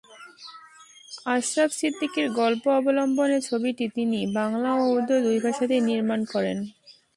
আশরাফ সিদ্দিকীর গল্প অবলম্বনে ছবিটি তিনি বাংলা ও উর্দু দুই ভাষাতেই নির্মাণ করেন।